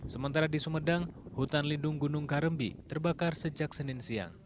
sementara di sumedang hutan lindung gunung karembi terbakar sejak senin siang